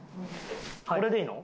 これでいいの？